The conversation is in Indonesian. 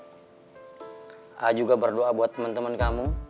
saya juga berdoa buat teman teman kamu